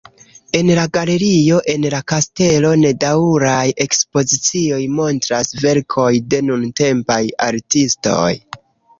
En la "Galerio en la kastelo" nedaŭraj ekspozicioj montras verkojn de nuntempaj artistoj.